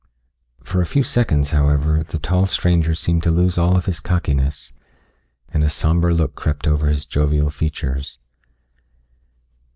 For a few seconds, however, the tall stranger seemed to lose all of his cockiness, and a somber look crept over his jovial features.